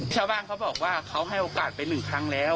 ชาวบ้านเขาบอกว่าเขาให้โอกาสไปหนึ่งครั้งแล้ว